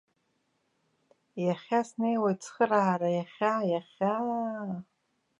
Иахьа снеиуеит цхыраара, иахьа, иахьа-аа!